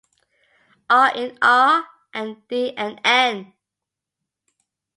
"R in R" and "d in N".